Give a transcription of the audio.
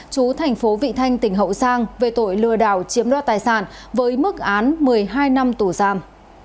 chú thành phố vị thanh tỉnh hậu giang về tội lừa đảo chiếm đoạt tài sản với mức án một mươi hai năm tù giam